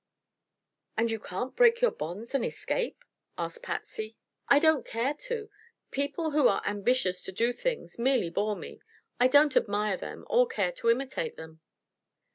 "And you can't break your bonds and escape?" asked Patsy. "I don't care to. People who are ambitious to do things merely bore me. I don't admire them or care to imitate them."